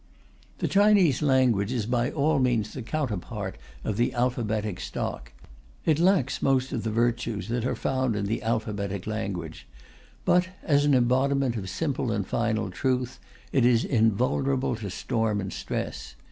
The Chinese language is by all means the counterpart of the alphabetic stock. It lacks most of the virtues that are found in the alphabetic language; but as an embodiment of simple and final truth, it is invulnerable to storm and stress.